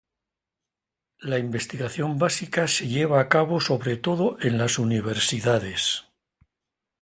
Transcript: La investigación básica se lleva a cabo sobre todo en las universidades.